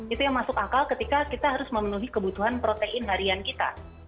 itu yang masuk akal ketika kita harus memenuhi kebutuhan protein harian kita